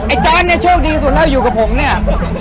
จอร์ดเนี่ยโชคดีสุดแล้วอยู่กับผมเนี่ย